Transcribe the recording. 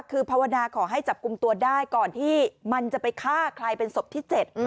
คือภาวนาขอให้จับกลุ่มตัวได้ก่อนที่มันจะไปฆ่าใครเป็นศพที่๗